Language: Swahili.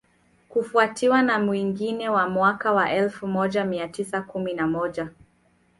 kufuatiwa na mwingine wa mwaka wa elfu moja mia tisa kumi na moja